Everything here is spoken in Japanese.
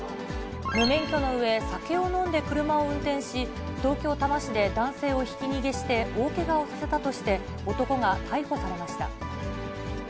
無免許のうえ、酒を飲んで車を運転し、東京・多摩市で男性をひき逃げして、大けがをさせたとして、男が逮捕されました。